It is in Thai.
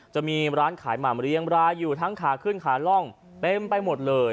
จะมีร้านขายหม่ำเรียงรายอยู่ทั้งขาขึ้นขาล่องเต็มไปหมดเลย